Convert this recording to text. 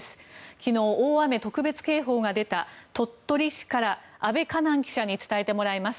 昨日、大雨特別警報が出た鳥取市から阿部佳南記者に伝えてもらいます。